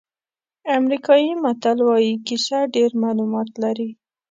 امریکایي متل وایي کیسه ډېر معلومات لري.